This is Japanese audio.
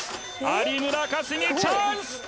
有村架純チャンス！